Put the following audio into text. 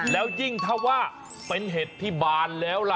แล้วยิ่งถ้าว่าเป็นเห็ดพิบาลแล้วล่ะ